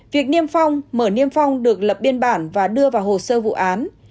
việc niêm phong mở niêm phong được lập biên bản và đưa vào hồ sơ vụ án